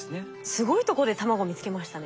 すごいとこで卵見つけましたね。